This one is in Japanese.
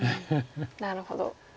なるほど。